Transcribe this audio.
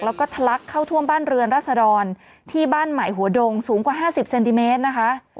แล้วก็ทะลักเข้าท่วมบ้านเรือนรัศดรที่บ้านใหม่หัวดงสูงกว่า๕๐เซนติเมตรนะคะ